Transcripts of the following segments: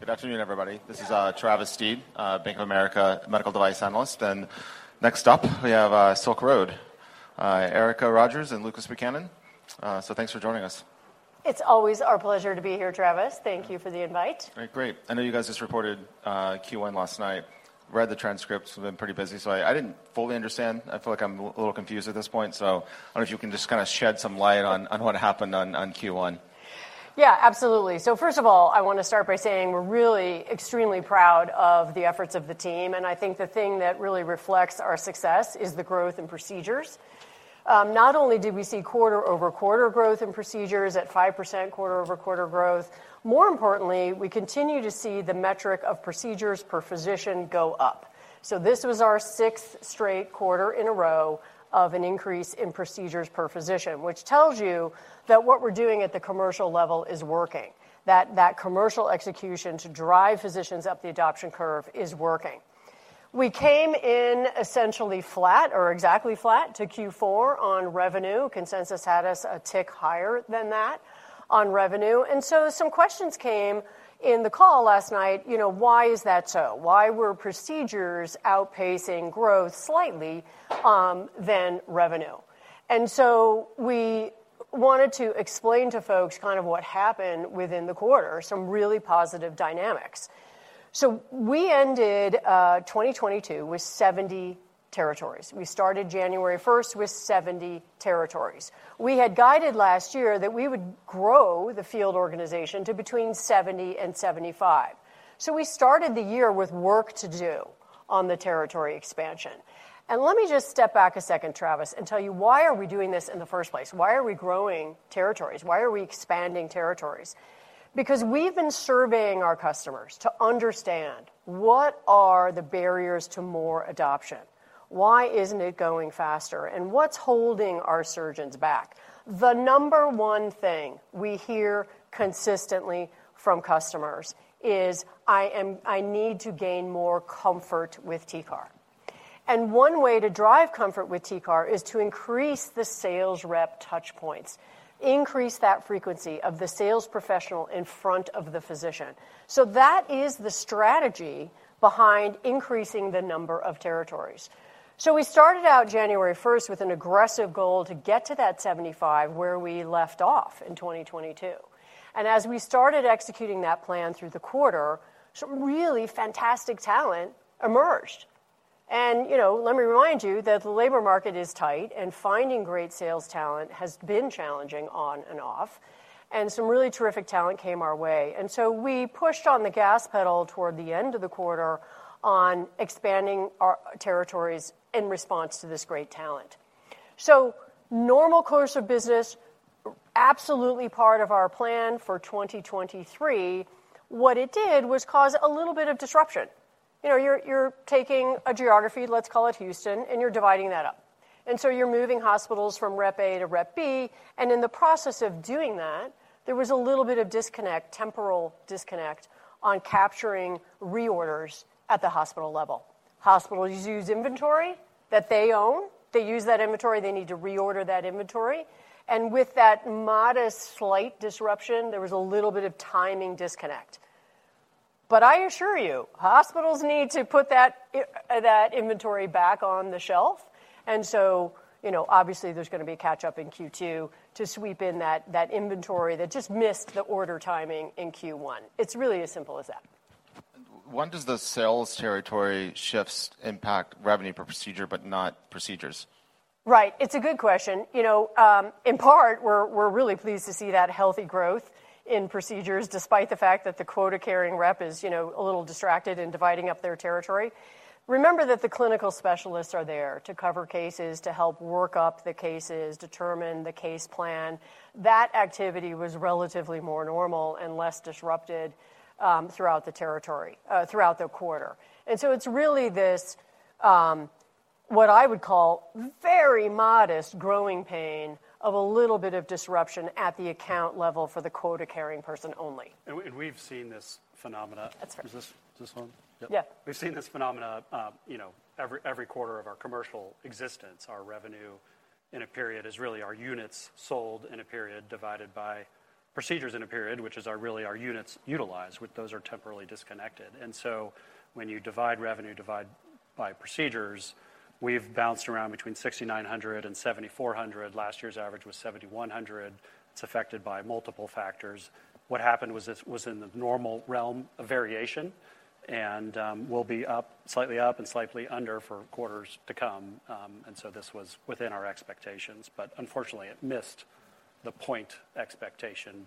Good afternoon, everybody. This is Travis Steed, Bank of America medical device analyst. Next up, we have Silk Road, Erica Rogers and Lucas Buchanan. Thanks for joining us. It's always our pleasure to be here, Travis. Thank you for the invite. All right, great. I know you guys just reported Q1 last night. Read the transcripts, have been pretty busy. I didn't fully understand. I feel like I'm a little confused at this point. I don't know if you can just kind of shed some light on what happened on Q1. Yeah, absolutely. First of all, I wanna start by saying we're really extremely proud of the efforts of the team. I think the thing that really reflects our success is the growth in procedures. Not only did we see quarter-over-quarter growth in procedures at 5% quarter-over-quarter growth, more importantly, we continue to see the metric of procedures per physician go up. This was our sixth straight quarter in a row of an increase in procedures per physician, which tells you that what we're doing at the commercial level is working. That commercial execution to drive physicians up the adoption curve is working. We came in essentially flat or exactly flat to Q4 on revenue. Consensus had us a tick higher than that on revenue. Some questions came in the call last night, you know, why is that so? Why were procedures outpacing growth slightly than revenue? We wanted to explain to folks kind of what happened within the quarter, some really positive dynamics. We ended 2022 with 70 territories. We started January 1st with 70 territories. We had guided last year that we would grow the field organization to between 70 and 75. We started the year with work to do on the territory expansion. Let me just step back a second, Travis, and tell you why are we doing this in the first place? Why are we growing territories? Why are we expanding territories? We've been surveying our customers to understand what are the barriers to more adoption, why isn't it going faster, and what's holding our surgeons back. The number one thing we hear consistently from customers is, "I need to gain more comfort with TCAR." One way to drive comfort with TCAR is to increase the sales rep touch points, increase that frequency of the sales professional in front of the physician. That is the strategy behind increasing the number of territories. We started out January first with an aggressive goal to get to that 75, where we left off in 2022. As we started executing that plan through the quarter, some really fantastic talent emerged. You know, let me remind you that the labor market is tight, and finding great sales talent has been challenging on and off, and some really terrific talent came our way. We pushed on the gas pedal toward the end of the quarter on expanding our territories in response to this great talent. Normal course of business, absolutely part of our plan for 2023. What it did was cause a little bit of disruption. You know, you're taking a geography, let's call it Houston, and you're dividing that up. You're moving hospitals from rep A to rep B, and in the process of doing that, there was a little bit of disconnect, temporal disconnect, on capturing reorders at the hospital level. Hospitals use inventory that they own. They use that inventory. They need to reorder that inventory. With that modest slight disruption, there was a little bit of timing disconnect. I assure you, hospitals need to put that inventory back on the shelf. You know, obviously, there's gonna be a catch-up in Q2 to sweep in that inventory that just missed the order timing in Q1. It's really as simple as that. When does the sales territory shifts impact revenue per procedure but not procedures? Right. It's a good question. You know, in part, we're really pleased to see that healthy growth in procedures, despite the fact that the quota-carrying rep is, you know, a little distracted in dividing up their territory. Remember that the clinical specialists are there to cover cases, to help work up the cases, determine the case plan. That activity was relatively more normal and less disrupted throughout the territory throughout the quarter. It's really this, what I would call very modest growing pain of a little bit of disruption at the account level for the quota-carrying person only. We've seen this phenomena- That's right. ....is this on? Yep. Yeah. We've seen this phenomena, you know, every quarter of our commercial existence. Our revenue in a period is really our units sold in a period divided by procedures in a period, which is our really our units utilized, with those are temporarily disconnected. When you divide revenue divide by procedures, we've bounced around between $6,900 and $7,400. Last year's average was $7,100. It's affected by multiple factors. What happened was this was in the normal realm of variation, and we'll be up, slightly up and slightly under for quarters to come. This was within our expectations, but unfortunately, it missed the point expectation.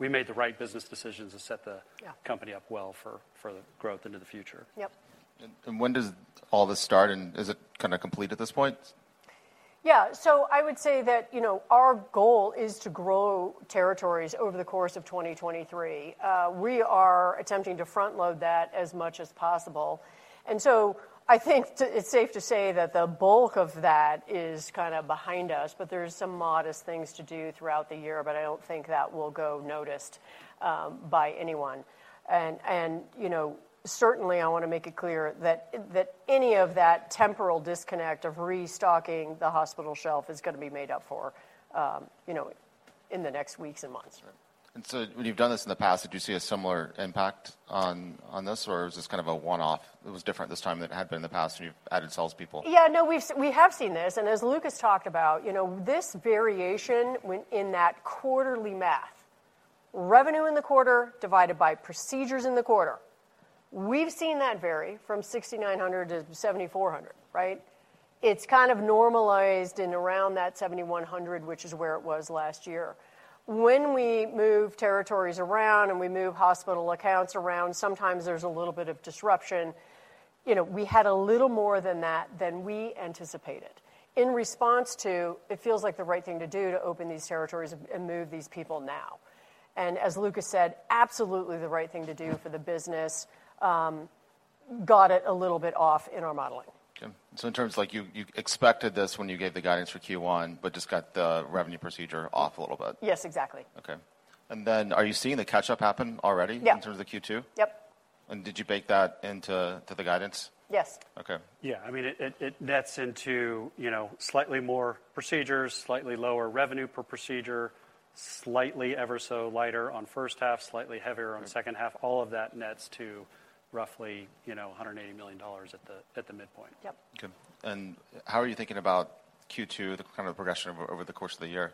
We made the right business decisions. Yeah... company up well for the growth into the future. Yep. When does all this start, and is it kinda complete at this point? Yeah. I would say that, you know, our goal is to grow territories over the course of 2023. We are attempting to front-load that as much as possible. I think it's safe to say that the bulk of that is kinda behind us, but there's some modest things to do throughout the year, but I don't think that will go noticed by anyone. You know, certainly, I wanna make it clear that any of that temporal disconnect of restocking the hospital shelf is gonna be made up for, you know, in the next weeks and months. When you've done this in the past, did you see a similar impact on this, or is this kind of a one-off? It was different this time than it had been in the past when you've added salespeople. Yeah. No. We have seen this. As Lucas talked about, you know, this variation when in that quarterly math, revenue in the quarter divided by procedures in the quarter. We've seen that vary from $6,900 to $7,400, right? It's kind of normalized in around that $7,100, which is where it was last year. When we move territories around, and we move hospital accounts around, sometimes there's a little bit of disruption. You know, we had a little more than that than we anticipated. In response to, it feels like the right thing to do to open these territories and move these people now. As Lucas said, absolutely the right thing to do for the business, got it a little bit off in our modeling. In terms like you expected this when you gave the guidance for Q1, but just got the revenue procedure off a little bit. Yes, exactly. Okay. Are you seeing the catch-up happen already- Yeah. ...in terms of the Q2? Yep. Did you bake that into the guidance? Yes. Okay. Yeah. I mean, it nets into, you know, slightly more procedures, slightly lower revenue per procedure, slightly ever so lighter on first half, slightly heavier on the second half. All of that nets to roughly, you know, $180 million at the midpoint. Yep. Okay. how are you thinking about Q2, the kind of progression over the course of the year?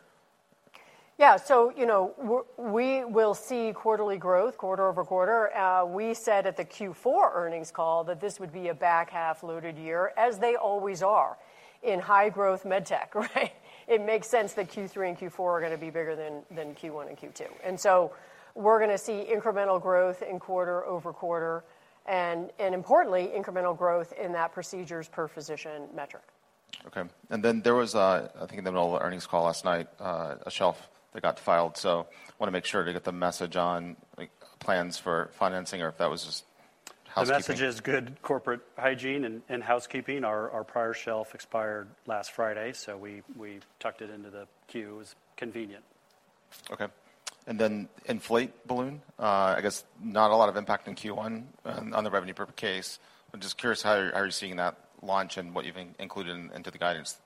You know, we will see quarterly growth quarter-over-quarter. We said at the Q4 earnings call that this would be a back half loaded year, as they always are in high growth medtech, right? It makes sense that Q3 and Q4 are gonna be bigger than Q1 and Q2. We're gonna see incremental growth in quarter-over-quarter and importantly, incremental growth in that procedures per physician metric. Okay. Then there was, I think in the middle of earnings call last night, a shelf that got filed, so wanna make sure to get the message on, like, plans for financing or if that was just housekeeping. The message is good corporate hygiene and housekeeping. Our prior shelf expired last Friday, so we tucked it into the queue. It was convenient. Okay. In Enflate balloon, I guess not a lot of impact in Q1 on the revenue per case. I'm just curious how you're seeing that launch and what you've included in the guidance.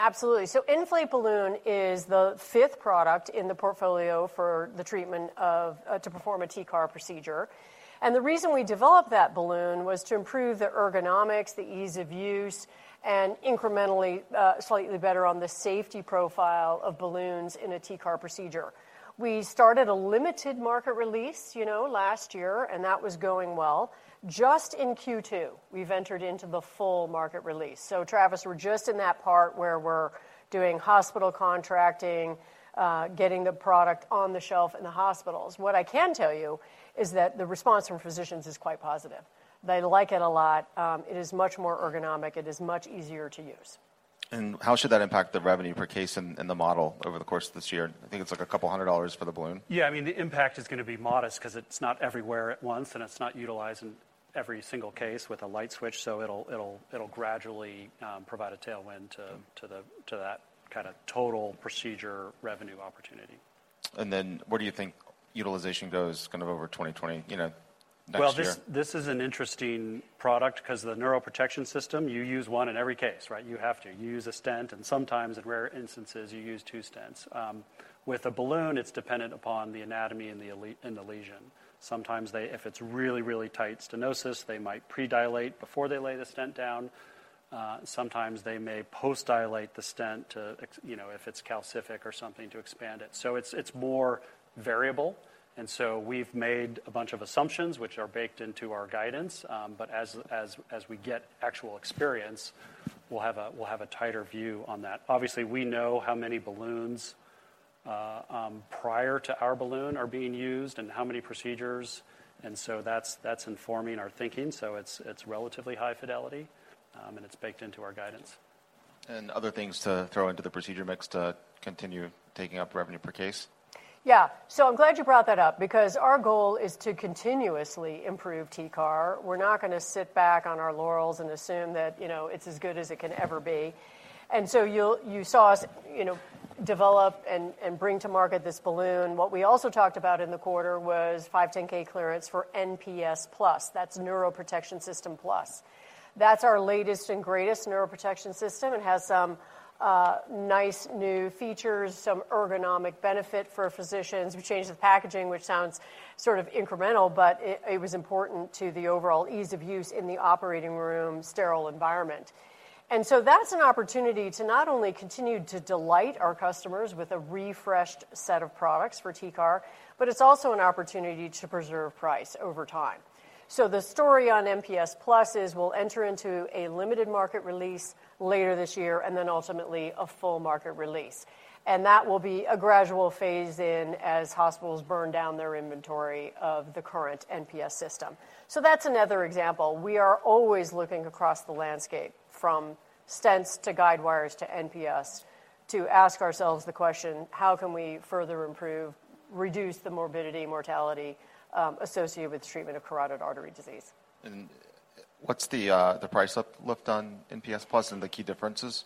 Absolutely. Enflate balloon is the fifth product in the portfolio for the treatment of to perform a TCAR procedure. The reason we developed that balloon was to improve the ergonomics, the ease of use, and incrementally, slightly better on the safety profile of balloons in a TCAR procedure. We started a limited market release, you know, last year, and that was going well. Just in Q2, we've entered into the full market release. Travis, we're just in that part where we're doing hospital contracting, getting the product on the shelf in the hospitals. What I can tell you is that the response from physicians is quite positive. They like it a lot. It is much more ergonomic. It is much easier to use. How should that impact the revenue per case in the model over the course of this year? I think it's like a couple $100 for the balloon. Yeah. I mean, the impact is gonna be modest 'cause it's not everywhere at once, and it's not utilized in every single case with a light switch. It'll gradually provide a tailwind- Okay ...to the to that kinda total procedure revenue opportunity. Where do you think utilization goes kind of over 2020, you know, next year? This is an interesting product 'cause the neuroprotection system, you use one in every case, right? You have to. You use a stent, sometimes in rare instances, you use two stents. With a balloon, it's dependent upon the anatomy and the lesion. Sometimes if it's really tight stenosis, they might predilate before they lay the stent down. Sometimes they may post-dilate the stent to you know, if it's calcific or something to expand it. It's more variable. We've made a bunch of assumptions, which are baked into our guidance. As we get actual experience, we'll have a tighter view on that. Obviously, we know how many balloons prior to our balloon are being used and how many procedures, that's informing our thinking. It's relatively high fidelity, and it's baked into our guidance. Other things to throw into the procedure mix to continue taking up revenue per case? Yeah. I'm glad you brought that up because our goal is to continuously improve TCAR. We're not gonna sit back on our laurels and assume that, you know, it's as good as it can ever be. You saw us, you know, develop and bring to market this balloon. What we also talked about in the quarter was 510(k) clearance for NPS Plus. That's Neuroprotection System Plus. That's our latest and greatest neuroprotection system. It has some nice new features, some ergonomic benefit for physicians. We changed the packaging, which sounds sort of incremental, but it was important to the overall ease of use in the operating room sterile environment. That's an opportunity to not only continue to delight our customers with a refreshed set of products for TCAR, but it's also an opportunity to preserve price over time. The story on NPS Plus is we'll enter into a limited market release later this year and then ultimately a full market release. That will be a gradual phase in as hospitals burn down their inventory of the current NPS system. That's another example. We are always looking across the landscape from stents to guide wires to NPS to ask ourselves the question: how can we further improve, reduce the morbidity and mortality associated with the treatment of carotid artery disease? What's the price up-lift on NPS Plus and the key differences?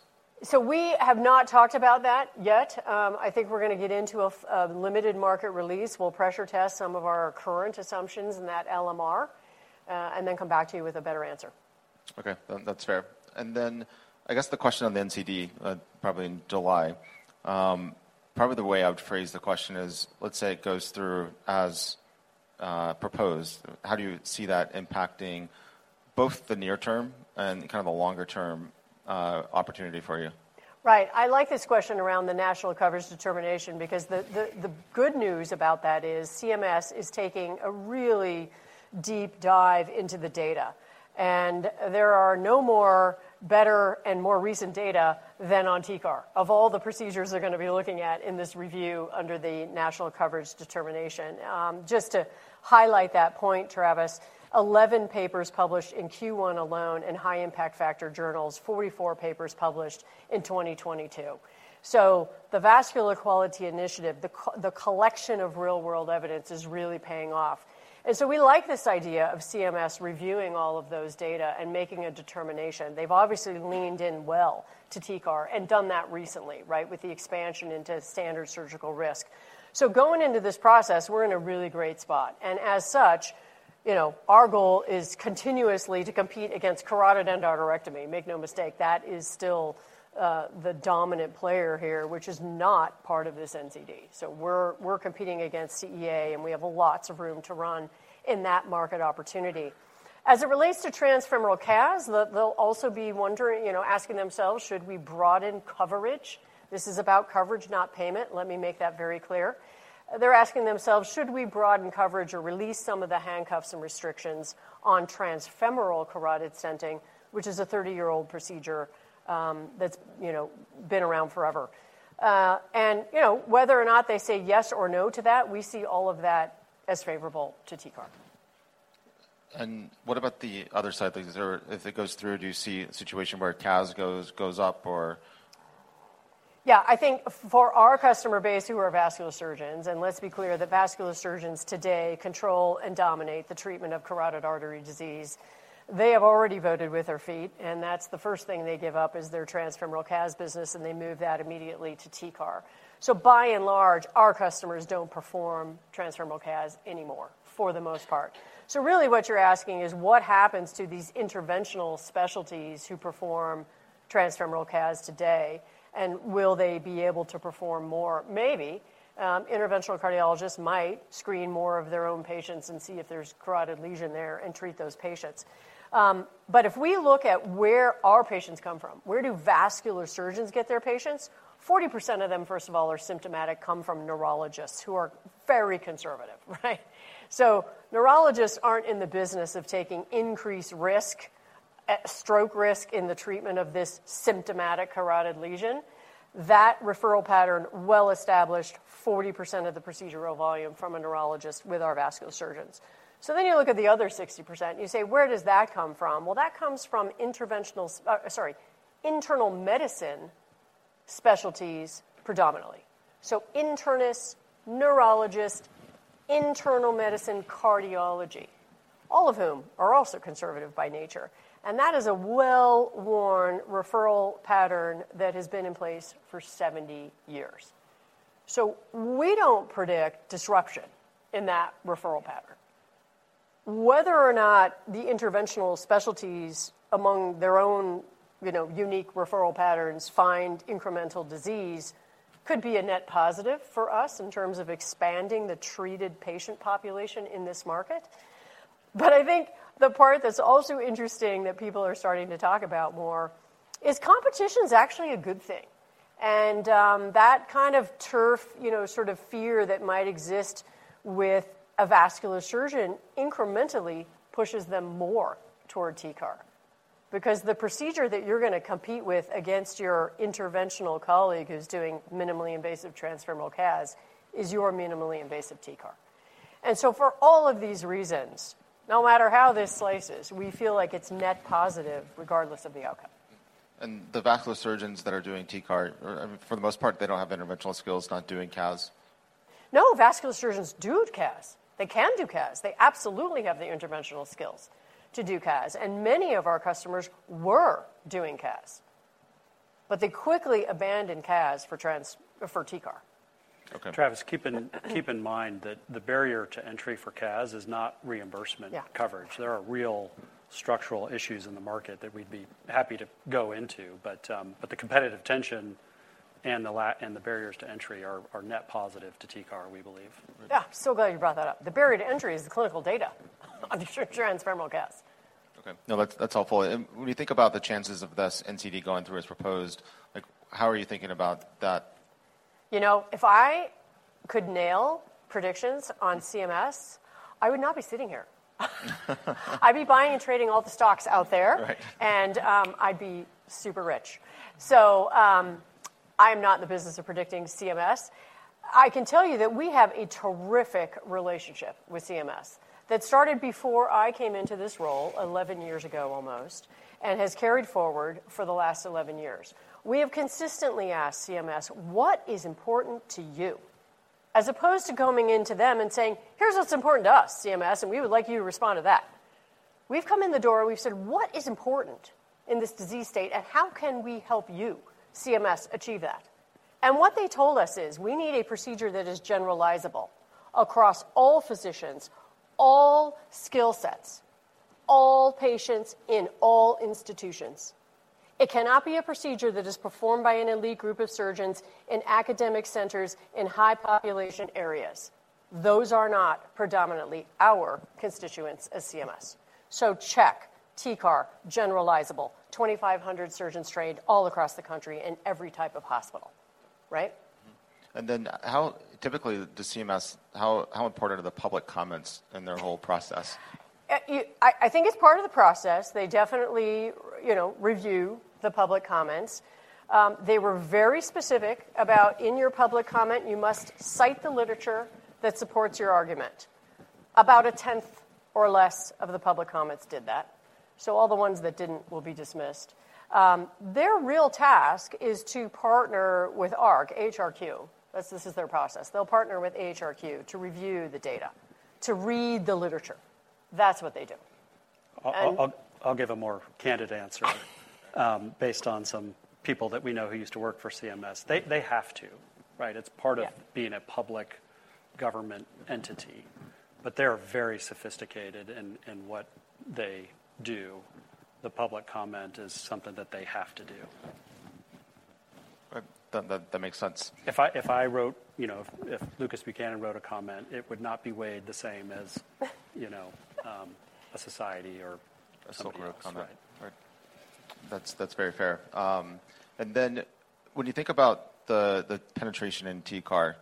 We have not talked about that yet. I think we're gonna get into a limited market release. We'll pressure test some of our current assumptions in that LMR, and then come back to you with a better answer. Okay. That's fair. I guess the question on the NCD, probably in July, probably the way I would phrase the question is, let's say it goes through as proposed. How do you see that impacting both the near term and kind of a longer term opportunity for you? Right. I like this question around the national coverage determination because the good news about that is CMS is taking a really deep dive into the data, and there are no more better and more recent data than on TCAR. Of all the procedures they're gonna be looking at in this review under the national coverage determination. Just to highlight that point, Travis, 11 papers published in Q1 alone in high impact factor journals, 44 papers published in 2022. The Vascular Quality Initiative, the collection of real-world evidence is really paying off. We like this idea of CMS reviewing all of those data and making a determination. They've obviously leaned in well to TCAR and done that recently, right, with the expansion into standard surgical risk. Going into this process, we're in a really great spot. As such, you know, our goal is continuously to compete against carotid endarterectomy. Make no mistake, that is still the dominant player here, which is not part of this NCD. We're competing against CEA, and we have lots of room to run in that market opportunity. As it relates to transfemoral CAS, they'll also be wondering, you know, asking themselves, "Should we broaden coverage?" This is about coverage, not payment. Let me make that very clear. They're asking themselves, "Should we broaden coverage or release some of the handcuffs and restrictions on transfemoral carotid stenting?" Which is a 30-year-old procedure, that's, you know, been around forever. You know, whether or not they say yes or no to that, we see all of that as favorable to TCAR. What about the other side of the reserve? If it goes through, do you see a situation where CAS goes up or? Yeah. I think for our customer base who are vascular surgeons, let's be clear that vascular surgeons today control and dominate the treatment of carotid artery disease. They have already voted with their feet, that's the first thing they give up is their transfemoral CAS business, and they move that immediately to TCAR. By and large, our customers don't perform transfemoral CAS anymore, for the most part. Really what you're asking is what happens to these interventional specialties who perform transfemoral CAS today, and will they be able to perform more? Maybe, interventional cardiologists might screen more of their own patients and see if there's carotid lesion there and treat those patients. If we look at where our patients come from, where do vascular surgeons get their patients? 40% of them, first of all, are symptomatic, come from neurologists who are very conservative, right? Neurologists aren't in the business of taking increased risk, stroke risk in the treatment of this symptomatic carotid lesion. That referral pattern well established 40% of the procedural volume from a neurologist with our vascular surgeons. You look at the other 60%, and you say, "Where does that come from?" Well, that comes from internal medicine specialties predominantly. Internists, neurologists, internal medicine, cardiology, all of whom are also conservative by nature. That is a well-worn referral pattern that has been in place for 70 years. We don't predict disruption in that referral pattern. Whether or not the interventional specialties among their own, you know, unique referral patterns find incremental disease could be a net positive for us in terms of expanding the treated patient population in this market. I think the part that's also interesting that people are starting to talk about more is competition's actually a good thing. That kind of turf, you know, sort of fear that might exist with a vascular surgeon incrementally pushes them more toward TCAR because the procedure that you're gonna compete with against your interventional colleague who's doing minimally invasive transfemoral CAS is your minimally invasive TCAR. For all of these reasons, no matter how this slices, we feel like it's net positive regardless of the outcome. The vascular surgeons that are doing TCAR, I mean, for the most part, they don't have interventional skills, not doing CAS? No, vascular surgeons do have CAS. They can do CAS. They absolutely have the interventional skills to do CAS, and many of our customers were doing CAS, but they quickly abandoned CAS for TCAR. Okay. Travis, keep in mind that the barrier to entry for CAS is not reimbursement- Yeah... coverage. There are real structural issues in the market that we'd be happy to go into, but the competitive tension and the barriers to entry are net positive to TCAR, we believe. Yeah. Glad you brought that up. The barrier to entry is the clinical data on the transfemoral CAS. Okay. No, that's helpful. When you think about the chances of this NCD going through as proposed, like, how are you thinking about that? You know, if I could nail predictions on CMS, I would not be sitting here. I'd be buying and trading all the stocks out there. Right. I'd be super rich. I'm not in the business of predicting CMS. I can tell you that we have a terrific relationship with CMS that started before I came into this role 11 years ago almost, and has carried forward for the last 11-years. We have consistently asked CMS, "What is important to you?" As opposed to coming into them and saying, "Here's what's important to us, CMS, and we would like you to respond to that." We've come in the door, and we've said, "What is important in this disease state, and how can we help you, CMS, achieve that?" What they told us is, "We need a procedure that is generalizable across all physicians, all skill sets, all patients in all institutions. It cannot be a procedure that is performed by an elite group of surgeons in academic centers in high population areas. Those are not predominantly our constituents as CMS. Check, TCAR, generalizable, 2,500 surgeons trained all across the country in every type of hospital, right? How important are the public comments in their whole process? I think it's part of the process. They definitely, you know, review the public comments. They were very specific about, "In your public comment, you must cite the literature that supports your argument." About a tenth or less of the public comments did that. All the ones that didn't will be dismissed. Their real task is to partner with AHRQ, A-H-R-Q. This is their process. They'll partner with AHRQ to review the data, to read the literature. That's what they do. I'll give a more candid answer, based on some people that we know who used to work for CMS. They have to, right? Yeah. It's part of being a public government entity. They are very sophisticated in what they do. The public comment is something that they have to do. That makes sense. If I wrote. You know, if Lucas Buchanan wrote a comment, it would not be weighed the same as you know, a society or somebody else. A corporate comment. Right. Right. That's very fair. When you think about the penetration in TCAR,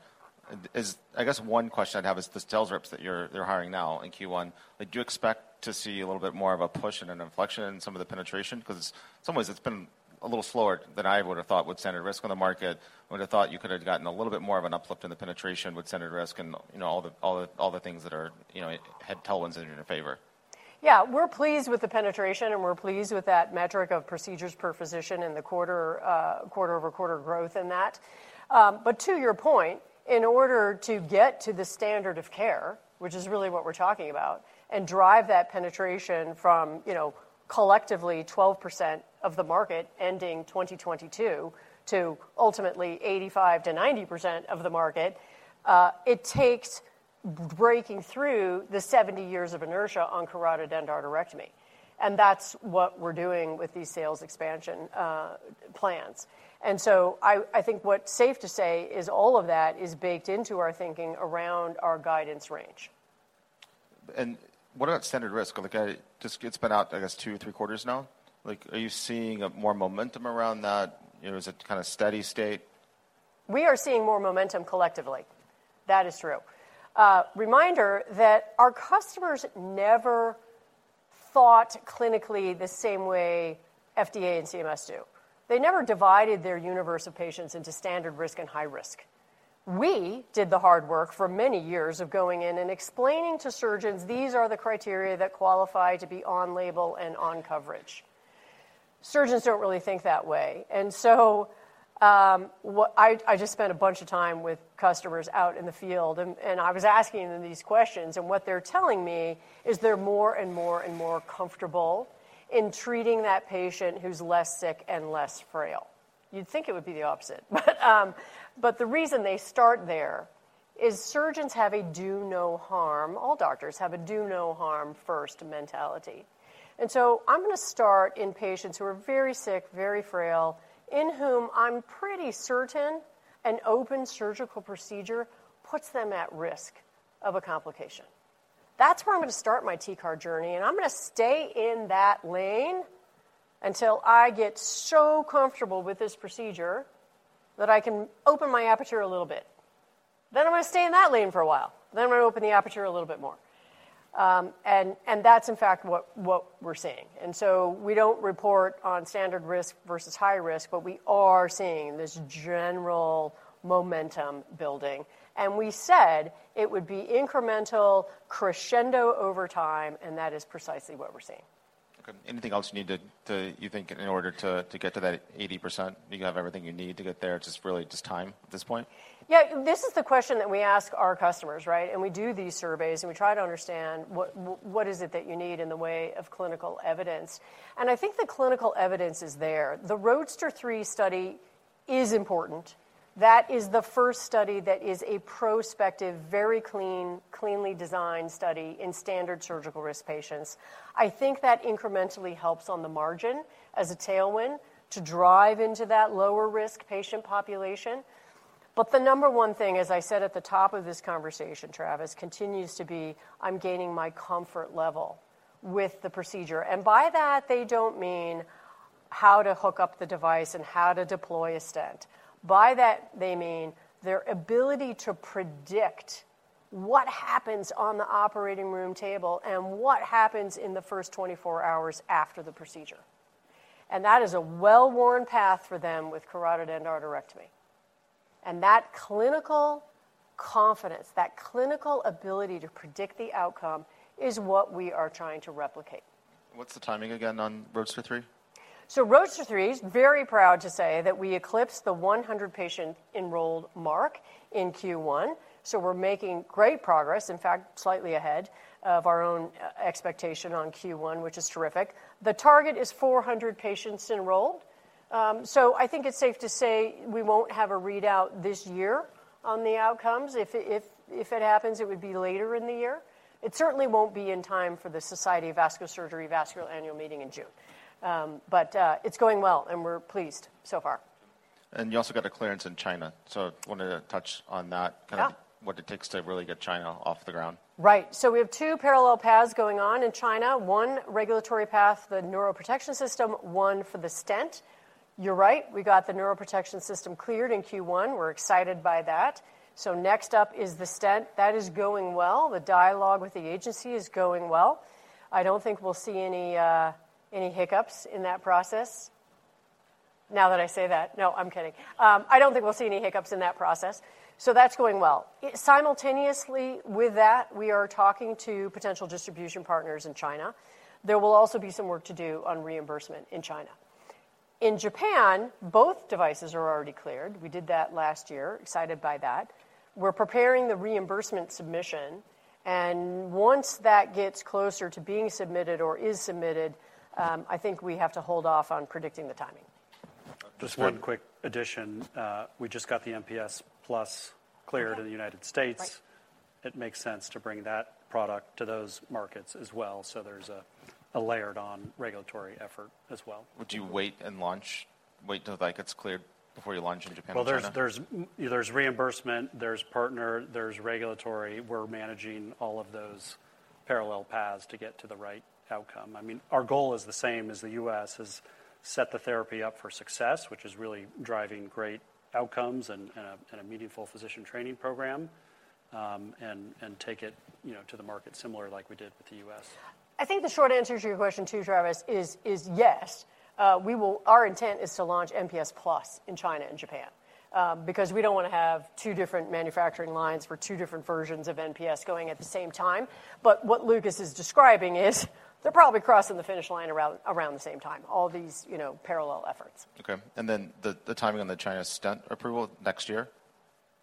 I guess one question I'd have is the sales reps that you're hiring now in Q1, like, do you expect to see a little bit more of a push and an inflection in some of the penetration? 'Cause in some ways it's been a little slower than I would have thought with standard risk on the market. I would have thought you could have gotten a little bit more of an uplift in the penetration with standard risk and, you know, all the things that are, you know, had tailwinds in your favor. Yeah. We're pleased with the penetration, and we're pleased with that metric of procedures per physician in the quarter-over-quarter growth in that. But to your point, in order to get to the standard of care, which is really what we're talking about, and drive that penetration from, you know, collectively 12% of the market ending 2022 to ultimately 85%-90% of the market, it takes breaking through the 70 years of inertia on carotid endarterectomy, and that's what we're doing with these sales expansion plans. I think what's safe to say is all of that is baked into our thinking around our guidance range. What about standard risk? Like, it's been out, I guess, two, three quarters now. Like, are you seeing more momentum around that? You know, is it kind of steady state? We are seeing more momentum collectively. That is true. Reminder that our customers never thought clinically the same way FDA and CMS do. They never divided their universe of patients into standard risk and high risk. We did the hard work for many years of going in and explaining to surgeons, "These are the criteria that qualify to be on label and on coverage." Surgeons don't really think that way. I just spent a bunch of time with customers out in the field and I was asking them these questions, and what they're telling me is they're more and more and more comfortable in treating that patient who's less sick and less frail. You'd think it would be the opposite. But the reason they start there is surgeons have a do no harm... All doctors have a do no harm first mentality. I'm gonna start in patients who are very sick, very frail, in whom I'm pretty certain an open surgical procedure puts them at risk of a complication. That's where I'm gonna start my TCAR journey, and I'm gonna stay in that lane until I get so comfortable with this procedure that I can open my aperture a little bit. I'm gonna stay in that lane for a while. I'm gonna open the aperture a little bit more. That's in fact what we're seeing. We don't report on standard risk versus high risk, but we are seeing this general momentum building. We said it would be incremental crescendo over time, and that is precisely what we're seeing. Okay. Anything else you need to-- You think in order to get to that 80%, you have everything you need to get there, just really just time at this point? Yeah. This is the question that we ask our customers, right? We do these surveys, and we try to understand what is it that you need in the way of clinical evidence. I think the clinical evidence is there. The ROADSTER 3 study is important. That is the first study that is a prospective, very clean, cleanly designed study in standard surgical risk patients. I think that incrementally helps on the margin as a tailwind to drive into that lower-risk patient population. The number one thing, as I said at the top of this conversation, Travis, continues to be, "I'm gaining my comfort level with the procedure." By that, they don't mean how to hook up the device and how to deploy a stent. By that, they mean their ability to predict what happens on the operating room table and what happens in the first 24-hours after the procedure. That is a well-worn path for them with carotid endarterectomy. That clinical confidence, that clinical ability to predict the outcome is what we are trying to replicate. What's the timing again on ROADSTER 3? ROADSTER 3 is very proud to say that we eclipsed the 100 patient enrolled mark in Q1. We're making great progress, in fact, slightly ahead of our own expectation on Q1, which is terrific. The target is 400 patients enrolled. I think it's safe to say we won't have a readout this year on the outcomes. If it happens, it would be later in the year. It certainly won't be in time for the Society for Vascular Surgery Vascular Annual Meeting in June. It's going well, and we're pleased so far. You also got a clearance in China, so wanted to touch on that- Yeah ...kind of what it takes to really get China off the ground. Right. We have two parallel paths going on in China. One regulatory path, the neuroprotection system, one for the stent. You're right, we got the neuroprotection system cleared in Q1. We're excited by that. Next up is the stent. That is going well. The dialogue with the agency is going well. I don't think we'll see any hiccups in that process. Now that I say that-- No, I'm kidding. I don't think we'll see any hiccups in that process. That's going well. Simultaneously with that, we are talking to potential distribution partners in China. There will also be some work to do on reimbursement in China. In Japan, both devices are already cleared. We did that last year. Excited by that. We're preparing the reimbursement submission, and once that gets closer to being submitted or is submitted, I think we have to hold off on predicting the timing. Just one quick addition. We just got the NPS Plus cleared- Okay ...in the United States. Right. It makes sense to bring that product to those markets as well. There's a layered on regulatory effort as well. Would you wait and launch wait until that gets cleared before you launch in Japan and China? Well, there's reimbursement, there's partner, there's regulatory. We're managing all of those parallel paths to get to the right outcome. I mean, our goal is the same as the U.S., is set the therapy up for success, which is really driving great outcomes and a meaningful physician training program, and take it, you know, to the market similar like we did with the U.S. I think the short answer to your question, too, Travis, is yes. Our intent is to launch NPS Plus in China and Japan, because we don't wanna have two different manufacturing lines for two different versions of NPS going at the same time. What Lucas is describing is they're probably crossing the finish line around the same time, all these, you know, parallel efforts. Okay. Then the timing on the China stent approval? Next year?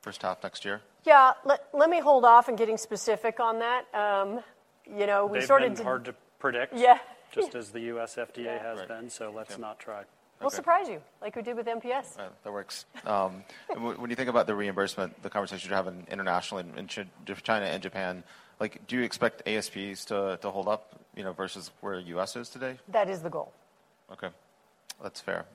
First half next year? Yeah. Let me hold off in getting specific on that. You know. They've been hard to predict. Yeah. Just as the U.S. FDA has been. Yeah. Let's not try. We'll surprise you, like we did with NPS. All right. That works. When you think about the reimbursement, the conversation you have in international, in China and Japan, like, do you expect ASPs to hold up, you know, versus where U.S. is today? That is the goal. Okay. That's fair.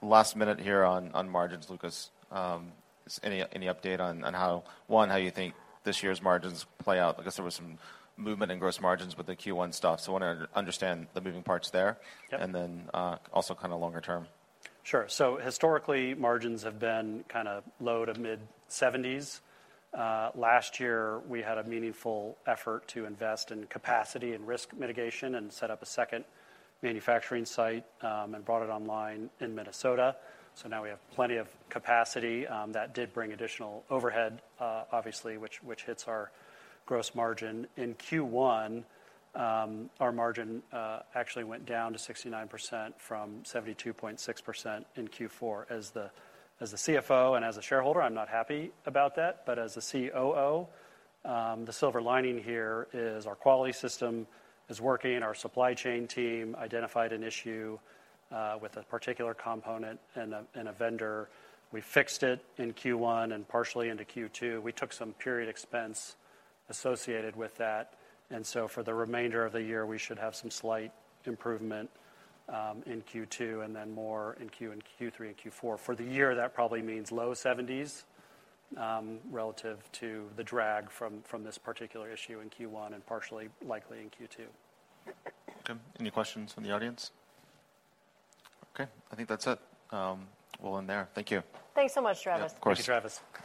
Last minute here on margins, Lucas. Any update on how, one, how you think this year's margins play out? There was some movement in gross margins with the Q1 stuff, so wanna understand the moving parts there. Yeah. Also kinda longer term. Sure. Historically, margins have been kinda low to mid seventies. Last year we had a meaningful effort to invest in capacity and risk mitigation and set up a second manufacturing site, and brought it online in Minnesota. Now we have plenty of capacity, that did bring additional overhead, obviously, which hits our gross margin. In Q1, our margin actually went down to 69% from 72.6% in Q4. As the CFO and as a shareholder, I'm not happy about that. As a COO, the silver lining here is our quality system is working. Our supply chain team identified an issue with a particular component and a vendor. We fixed it in Q1 and partially into Q2. We took some period expense associated with that. For the remainder of the year, we should have some slight improvement in Q2 and then more in Q3 and Q4. For the year, that probably means low 70s%, relative to the drag from this particular issue in Q1 and partially likely in Q2. Okay. Any questions from the audience? Okay, I think that's it. We'll end there. Thank you. Thanks so much, Travis. Yeah, of course. Thank you, Travis.